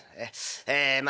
えまあ